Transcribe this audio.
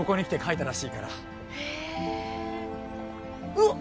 うわっ！